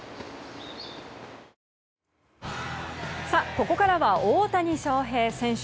ここからは大谷翔平選手。